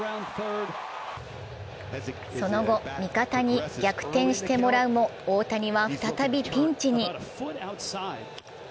その後、味方に逆転してもらうも大谷は再びピンチに。